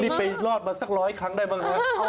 นี่ไปรอดมาสักร้อยครั้งได้มั้งฮะ